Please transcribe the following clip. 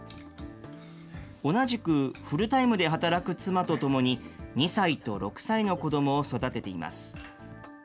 同じくフルタイムで働く妻とともに、２歳と６歳の子どもを育てています。